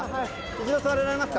一度座れられますか。